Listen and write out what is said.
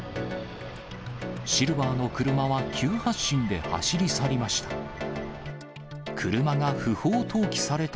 シルバーの車は急発進で走り去りました。